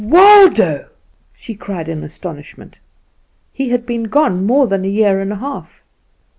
"Waldo!" she cried in astonishment. He had been gone more than a year and a half.